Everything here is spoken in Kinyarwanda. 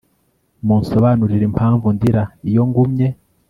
munsobanurire impamvu ndira, iyo ngumye